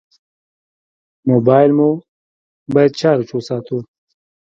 موبایل مو باید چارج وساتو.